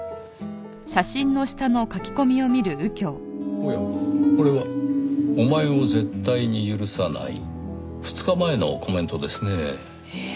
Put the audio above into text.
「お前を絶対に許さない」２日前のコメントですねぇ。